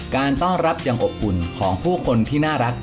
การต้อนรับอย่างอบอุ่นของผู้คนที่น่ารัก